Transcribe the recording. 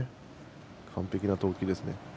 完璧な投球ですね。